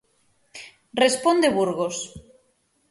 Responde Burgos.